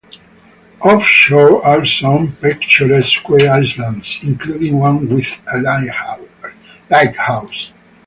Off-shore are some picturesque islands, including one with a lighthouse.